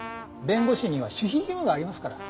弁護士には守秘義務がありますから。